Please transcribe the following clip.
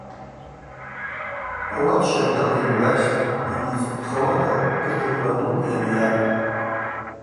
Ауат щардала йымгӏвайстӏ йгьи йцӏыхъвахауата кыт ауыра дукӏ йанйатӏ.